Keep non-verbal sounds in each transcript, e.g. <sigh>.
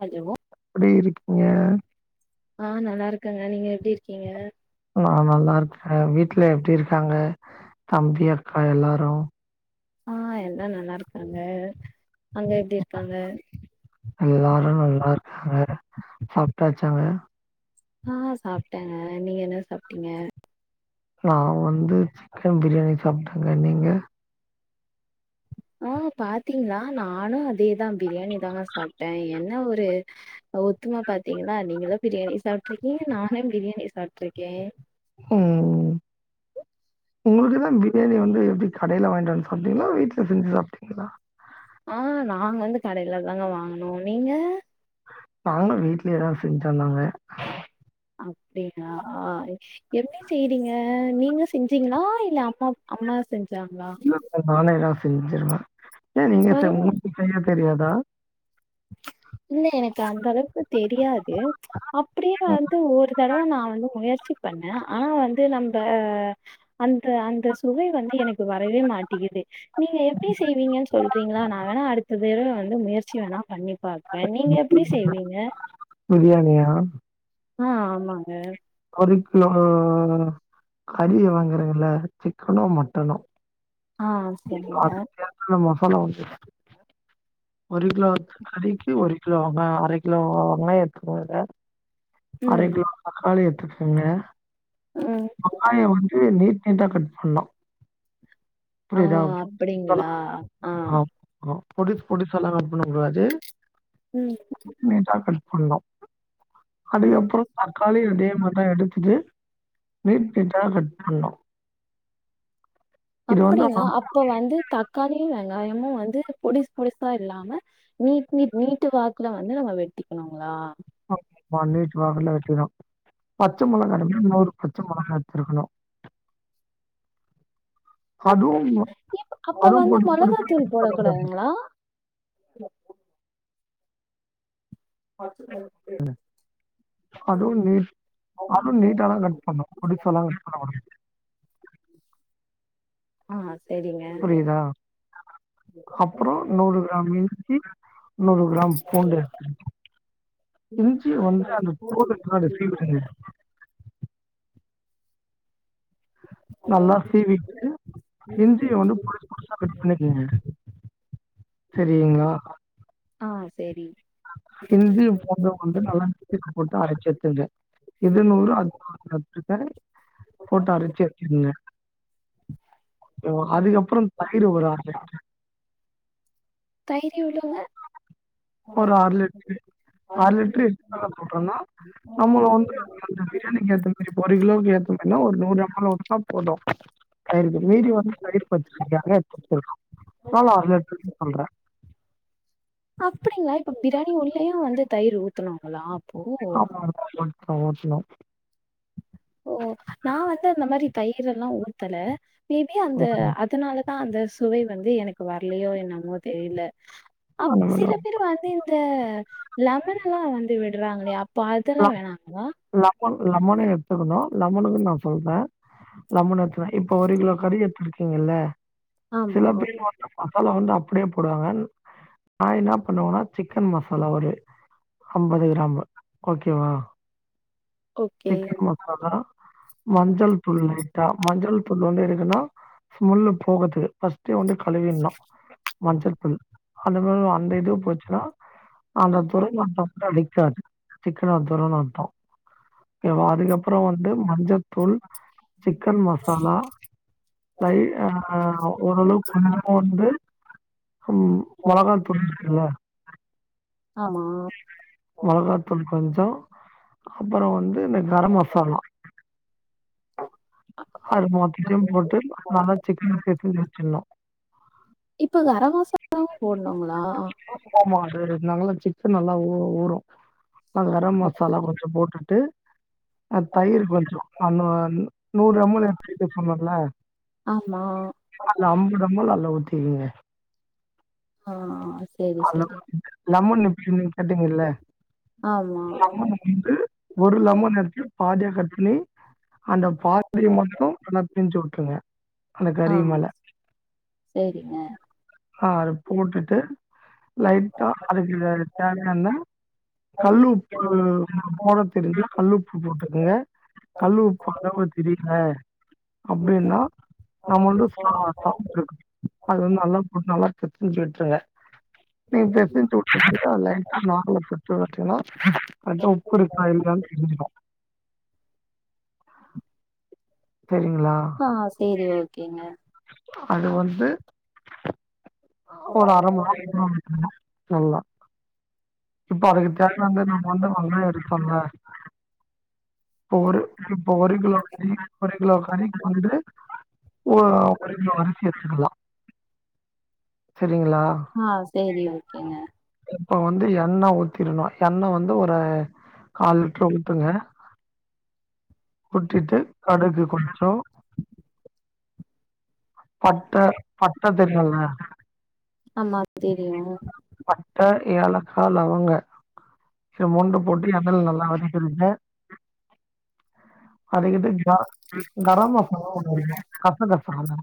Hello எப்படி இருக்கீங்க அ நல்லா இருக்கங்க நீங்க எப்டி இருக்கீங்க நா நல்லா இருக்கே வீட்ல எப்டி இருக்காங்க தம்பி அக்கா எல்லாரூ ஆ எல்லா நல்லா இருக்காங்க அங்க எப்டி இருக்காங்க எல்லாரூ நல்லா இருக்காங்க சாப்பிட்டாச்சாங்க ஆ சாப்ட்டேங்க நீங்க என்ன சாப்ட்டீங்க நா வந்து சிக்கன் பிரியாணி சாப்ட்டேங்க நீங்க ஆ பாத்தீங்களா நானூ அதேதா பிரியாணி தாங்க சாப்ட்டே என்ன ஒரு ஒத்துமா பாத்தீங்கள நீங்களூ பிரியாணி சாப்ட்டு இருக்கீங்க நானை பிரியாணி சாப்பிட்டுருக்கே ம் உங்களுடைதா பிரியாணி வந்து எப்படி கடயில வாங்கிட்டு வந்து சாப்ட்டீங்களா வீட்ல செஞ்சு சாப்ட்டீங்களா ஆ நாங்க வந்து கடையில தாங்க வாங்கனோ நீங்க நாங்க வீட்லய தா செஞ்தந்தாங்க அப்டியா எப்டி செய்றீங்க நீங்க செஞ்சீங்களா இல்ல அம்மா அம்மா செஞ்சாங்களா இல்ல நானே தா செஞ்சிருவே ஏ நீங்க பரவா உங்களுக்கு செய்ய தெரியாதா இல்ல எனக்கு அந்த அளவுக்கு தெரியாது அப்படியே வந்து ஒரு தடவ நா வந்து முயற்சி பண்ணோ ஆனா வந்து நம்ப பண்ற அந்த அந்த சுவை வந்து எனக்கு வரவே மாட்டேகுது நீங்க எப்டி செய்வீங்கன்னு சொல்றீங்களா நான் வேணா அடுத்த தடவ வந்து முயற்சி வேணா பண்ணிப் பாக்குறே நீங்க எப்படி செய்வீங்க பிரியாணியா ஆ ஆமாங்க ஒரு கிலோ கறி வாங்குறங்கில்ல சிக்கனோ மட்டனோ ஆ சரிங்க ஆமா சொல்ல வந்து ஒரு கிலோ கறிக்கு ஒரு கிலோ வெங்க அரை கிலோ வெங்காயோ எட்துக்கோங்க ‌இத அரை ம். கிலோ தக்காளி எடுத்துக்கோங்க ம். வெங்காயோ உரிச்சி நீட் டா கட் பண்ணோ ஆ புரியுதா அப்படிங்களா? நல்லா ஆ. ஆம் மா பொடூஸ் பொடூசால்லா கட் பண்ண கூடாது ம். நீட்டா கட் பண்ணோ ம். அதுக்கப்புறோ தக்காளி அத்தே மாரி தா எடுத்துட்டு நீட் நீட்டா கட் பண்ணோ அப்படிங்ளா அப்ப வந்து தக்காளியூ வெங்காயமூ வந்து பொடிஸ் பொடிசா இல்லாம நீட் நீட் நீட்டு் வாக்குல வந்து நம்ம வெட்டிக்கணுங்ளா ஆ ம்மா நீட்டு வாக்குல வெட்டிக்கணூ பச்சை மொளகா வந்து இன்னேரு பத் பச்ச மெளகா எத்துருக்கணோ அதுவூ அப்ப அதுவூ வந்து பொடூஸ் பொடூஸா மொளகாத்தூள் கட் பண்ண கூடாது போடக்கூடாதுங்களா பச்சை மெ ம் அதுவூ நீட் அதுவூ நீட்டாதா கட் பண்ணோ பொடிசால்லாம் கட் பண்ண கூடாது ஆ சேரிங்க புரியுதா அப்புறோ நூறு கிராம் இஞ்சி நூறு கிராம் பூண்டு எடுத்துக்னோ இஞ்சி வந்து அந்த தோலு இருக்குல்ல அத சீவிடுங்க நல்லா சீவிட்டு இஞ்சிய வந்து பொடுஸ் பொடூஸா கட் பண்ணீக்கங்க சரீங்களா ஆ செரி இஞ்சி பூண்டு வந்து நல்லா மிக்ஸில போட்டு அரைச்சு எடுத்துக்ங்க இது நூறு அது நூறு அப்பிடித்தானே போட்டு அரைச்சு வச்சிருங்க ம் அதுக்கு அப்பறோ தயிர் ஒரு அர லிட்டர் தயிர் எவ்வளங்க அர லிட்டர் எதுக்காக சொல்றேனா நம்மள வந்து அந்த பிரியாணிக்கு ஏத்த மாதிரி போட் ஒரு கிலோக்கு ஏத்த மாரின்னா ஒரு நூறு கிராம் அவ்ளே ஊத்னா போதூ தயிருக்கு மீதி வந்து தயிர் பச்சடிக்காக எடுத்து வச்சிருக்கோ னால ‌அர லிட்டர் சொல்றே அப்படிங்களா இப்ப பிரியாணி உள்ளேயும் வந்து தயிர் ஊத்தனூங்ளா ஆமா ஆமா கொஞ்சோ ஊத்னோ ஓ நா வந்து அந்த மாரி தயிரெல்லா ஊத்தல மே பி அந்த ம். அதனாலத் அதனால தா அந்த சுவை வந்து எனக்கு வரலியோ என்னமோ தெரியல ‌அப் அந்த மாரி ஒரு சிலப் சரி வந்து இந்த லெமன்ல்லா வந்து விட்றாங்களோ அப்போ ல அதெல்லா வேணாங்களா லெமன் லெமனூ எடுத்துக்கணோ லெமனுக்கு நா சொல்றேன் லெமன் எடுத்து இப்ப ஒரு கிலோ கறி எடுத்துருக்கீங்கில்ல சில ஆமா பேர் வந்து மசாலா வந்து அப்படியே போடுவாங்க நா என்ன பண்ணுவனா சிக்கன் மசாலா ஒரு அம்பது கிராமு ஓகேவா ஓகே. சிக்கன் மசாலா மஞ்சள் துள் லைட்டா மஞ்சள் தூள் வந்து எதுக்குன்னா ஸ்மல் போகறதுக்கு ஃபஸ்டே வந்து கழுவிட்ணோ மஞ்சள் தூள் அந்த மாரி அந்த இது போச்சுன்னா அந்த துர்நாத்தோ கூட அடிக்காது சிக்கனோட துர்நாத்தோ அதுக்கப்புறோ வந்து மஞ்சத்தூள் சிக்கன் மசாலா லைட் அ ஓரளவுக்கு கொஞ்ச கொஞ்சமா வந்து ம் மொளகா புளி இருக்குல்ல ஆமா மொளகாத்தூள் கொஞ்சோ அப்புறம் வந்து இந்த கரம் மசாலா அது மொத்தத்தையூ போட்டு நல்லா சிக்கன் பெசஞ்சி வச்சிர்னோ இப்ப இத அர வாசோ போட்ணூங்களா ஆமா அது நல்லா சிக்கன் நல்லா ஊ ஊரும் அதா கரம் அப் மசாலா கொஞ்சோ போட்டுட்டு அ தயிர் கொஞ்சோ அ ந நூறு எம் எல் எடுத்து வைக்க சொன்னல்ல ஆமா அதல்ல அம்பது எம் எல் அதல ஊத்திக்கீங்க ஆ சே அ லெமன் இப்ப நீங் கேட்டிங்கில்ல ஆமா. லெமன் வந்து ஒரு லெமன் எடுத்து பாதியா கட் பண்ணி அந்த பாதிய மட்டு நல்லா பிழிஞ்சு வுட்டுருங்க அம் சேரிங்க அ அது போட்டுட்டு லைட்டா அதுக்கு தேவயான கல்லுப்பு போட தெரிஞ்ச கல்லுப்பு போட்டுக்கங்க கல்லு உப்பு அளவு தெரியல அப்டின்னா நம்மளட ச சமைச்ச இருக்க அது நல்லா நல்லா பிசஞ்சு விட்டுருங்க நீங்க பெசஞ்சு உட் <unintelligible> லைட்டா நாக்குல தொட்டு பத்தன்னா கரெட்டா உப்பு இருக்க இல்லயான்னு தெருஞ்சிரு செரிங்களா அ சேரி ஓகேங்க அது வந்து ஒரு அர மணி நேரோ இருக்கணு <unintelligible> நல்லா இப்ப அதுக்கு தேவை வந்து நம்ம வந்து நல்ல எடுப்பேன்ல இப்போ ஒரு இப்போ ஒரு கிலோ கறி ஒரு கிலோ கறிக்கு வந்துட்டு ஒ ஒரு <unintelligible> அரிசி எடுத்துகலா செரிங்களா ஆ சேரி ஓகேங்க இப்ப வந்து எண்ண ஊத்திரணு எண்ண வந்து ஒரு கால் லிட்டரு ஊத்துங்க ஊத்திட்டு கடுகு கொஞ்சோ பட்ட பட்டத் தெரியுல ஆமா தெரியும். பட்ட ஏலக்காய் லவங்க இது மூண்டு போட் எண்ணையில் நல்லா வதக்கிருங்க அது இது க கரம் மசாலா போட்டு கச கசல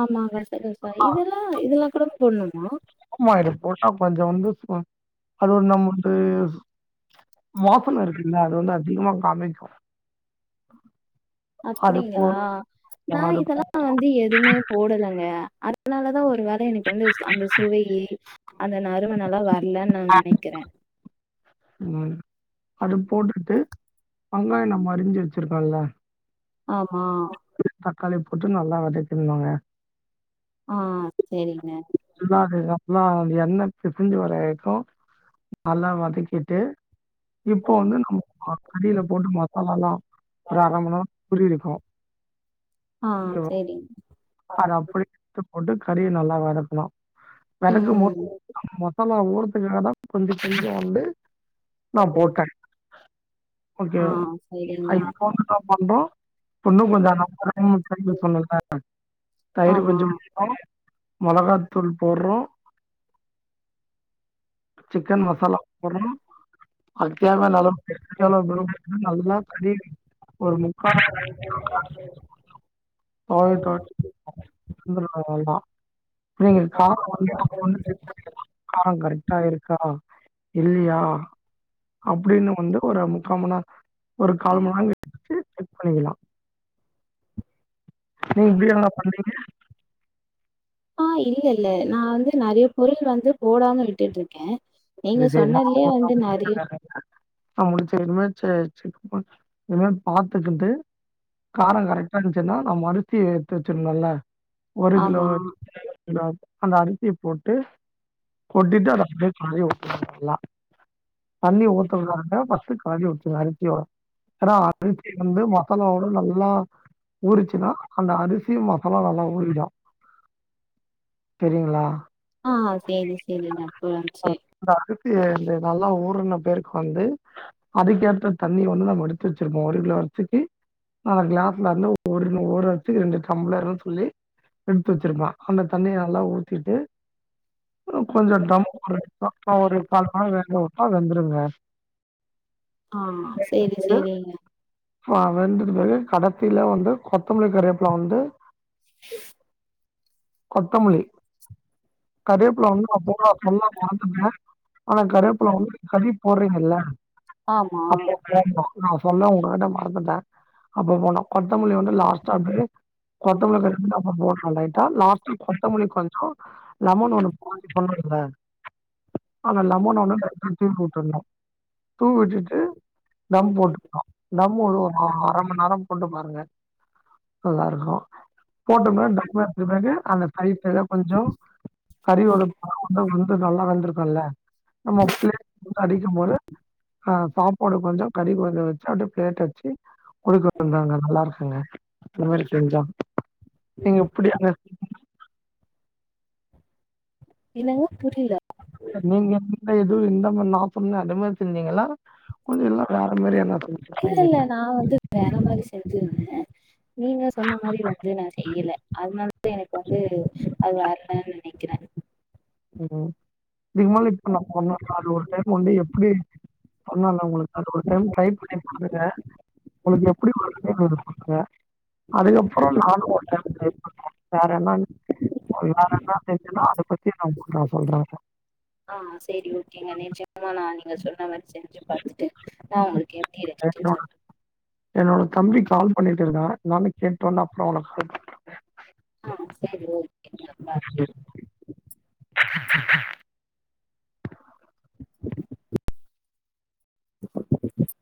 ஆமா கச கச இதெல்லா இதெல்லா கூட போடண்ணுமா அமா இது போட்டா கொஞ்சோ வந்து அது நம்ம வந்து வாசன இருக்குல்ல அது வந்து அதிகமா காமிக்கு அது போ அப்டிங்களா நா அது போ இதெல்லா வந்து எதுவுமே போடலைங்க அதனால தா ஒரு வேல எனக் வந்து அந்த சுவை அந்த நறுமணோல்லா வரலன்னு நா நெனைக்கிறே ம் அது போட்டுட்டு வெங்காய நம்ம அரிஞ்சு வச்சிருக்கம்ல ஆமா தக்காளி போட்டு நல்லா வதக்கிரணுங்க ஆ சேரிங்க நல்லா அது நல்லா எண்ணெ பிரிஞ்சு வர வரைக்கு நல்லா வதக்கிட்டு இப்போ வந்து நம்ம கறியில போட்டு மசாலா எல்லா ஒரு அர மணி நேரோ ஊறியிருக்கு ஆ செரிங் அத அப்டியே எடுத்து போட்டு கறியை நல்லா வதக்கணு ம். வதக்கும்போது மசாலா ஊறதுக்காக தா கொஞ்ச கொஞ்ச வண்டு நா போட்டே ஆ சரிங்க. <unintelligible> பண்றோ இன்னு கொஞ்சோ <unintelligible> சொல்லல தயிர் ஆமா. கொஞ்சம் போடறோ மொளகாத்தூள் போடுறோ சிக்கன் மசாலா போட்றோ அது தேவையான அளவு <unintelligible> நல்லா கழுவி ஒரு முக்கா <unintelligible> <inaudible> நீங்க கா <inaudible> ஆ காரம் கரெக்டா இருக்கா இல்லையா அப்டின்னு வந்து ஒரு முக்காமண்ணா ஒரு கால் மன்நேரோ கழிச்சி டெஸ் பண்ணிக்கலா நீ இப்டியாங்க பண்ணீங்க ஆ இல்ல இல்ல நா வந்து நெறைய பொருள் வந்து போடாமனு விட்டுட்டு இருக்கே நீங்க சரி சொன்னலே வந்து நறி ந முடிச்ச வரையுமே செக் செக் இதும‌ பாத்துக்கிட்டு காரம் கரெக் டாசன்னா நம் அறுசி எத்து வச்சிர்ணும்ல ஒரு கிலோ ஆமா. <inaudible> அந்த அரிசி போட்டு கொட்டிட்டு அத காய உட்டர்லா நல்லா தண்ணி ஊத்தறதா இருந்தா ஃபஸ்ட்டு காலி உச்ச அரிசியோ ஏன்னா அரிசி வந்து மசாலாவோட நல்லா ஊரிச்சுன்னா அந்த அரிசி மசாலா நல்லா ஊறிடூ சரிங்களா ஆ சேரி சேரி நா புரிஞ்சி அ அரிசி நல்லா ஊர்ன பேருக்கு வந்து அதுக்கேற்ற தண்ணி வந்து நம்ம எடுத்து வச்சிருப்போ ஒரு கிலோ அரிசிக்கு அ கிளாஸ்ல இருந்து ஒரு ஒரு அரிசிக்கு ரெண்டு டம்ளருனு சொல்லி எடுத்து வச்சிருப்பா அந்த தண்ணிய நல்லா ஊத்திட்டு கொஞ்ச டம் ஒருகால் <inaudible> மண்நேரோ வேக உட்டா வந்துருங்க ஆமா சேரி சேரிங்க ஆ வெண்டுட்டு பிறகு கடைத்தில வந்து கொத்தமல்லி கருவேப்ல வந்து கொத்தமல்லி கரேப்பல வந்து <unintelligible> ஆனா கருவேப்புல வந்து கதி போடுறீங்கல்ல ஆமா ஆமா நா சொன்ன உங்ககிட்ட மறந்துட்ட அப்ப போனோ கொத்தமல்லி வந்து லாஸ்ட்டா அப்டே கொத்தமல்லி போட்னு லைட்டா லாஸ்ட் கொத்தமல்லி கொஞ்சோ லமன் ஒண்ணு <inaudible> சொன்னல ஆனா லமன் ஒன்னு லைட்டா தூவி உட்ருணு தூவி விட்டுட்டு தம் போட்டுக்லா தம் ஒரு அர மண் நேரோ போட்டுக்லா நீங்க நல்லா இருக்கு போட்டோ டக்மெண்ட்க்கு பிறகு அந்த சைஸ் கொஞ்சோ கறிவட <inaudible> வந்து வந்து நல்லா வந்துருக்குல்ல நம்ம <inaudible> கடிக்குமோது ஆ சாப்பாடு கொஞ்சோ கறி கொஞ்சோ வச்சு அப்டே பிளேட் வச்சு குடுக்க வந்தாங்க நல்லா இருக்குங்க அந் மாரி செஞ்சா நீங்க எப்டி என்னங்க புரில நீங்க எந்த இது இந்த ம நா சொன்ன அதுமேரி செஞ்சீங்களா கொஞ்ச எல்லா வேற மாரி எதனா <unintelligible> ஞ்சிக இல்ல, இல்ல. வேண்டிதா நான் வந்து வேற மாதிரி செஞ்சிருந்த நீங்க சொன்ன மாரி வந்து நா செய்யல அதனாலவந்து எனக்கு வந்து அது வரலன்னு நெனைக்கிற ம் இதுக்கு <inaudible> பண்ண <inaudible> பண்ணா அது ஒரு டைம் வந்து எப்டி பண்ணால உங்களுக்கு அது ஒரு டைம் ட்ரை பண்ணி பாருங்க உங்களுக்கு எப்டி <inaudible> அதுக்கப்றோ நானு ஒரு டைம் ட்ரை பண்ற வேற என்ன <unintelligible> செஞ்சன்னா அத பத்தி நா உங் கிட்ட சொல்ற ஆ சரி ஓகேங்க நிச்சயமா நா நீங்க சொன்ன மாரி செஞ்சு பாத்துட்டு அ உங்களுக்கு எப்டி கீதூ என்னோட கீழ்ச்டாங்ளா என்னோட தம்பி கால் பண்ணிட்டு இருக்கான் ‌என்னான்னு கேட்டு வோனா அப்புறோ உனக் கால் ஆ சரி ஓகேங்கே பை பண்றேன். <unintelligible> <unintelligible>